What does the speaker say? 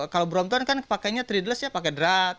kalau brompton kan pakainya threadless ya pakai drap